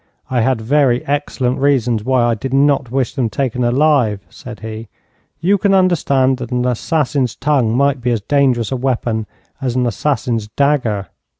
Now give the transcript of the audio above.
'I had very excellent reasons why I did not wish them taken alive,' said he. 'You can understand that an assassin's tongue might be as dangerous a weapon as an assassin's dagger.